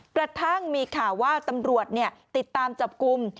กระทั่งมีข่าวว่าตำรวจติดตามจับกลุ่ม